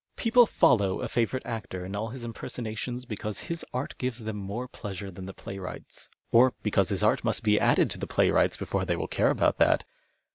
People " follow " a favourite actor in all his impersonations because his art gives them more pleasure than the playwright's, or because his art nuist be added to the playwright's before they will care about that.